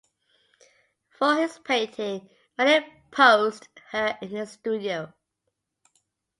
For his painting, Manet posed her in his studio.